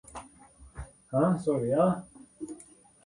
Jamie comforts her by holding her hand.